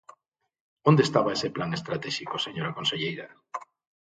¿Onde estaba ese plan estratéxico, señora conselleira?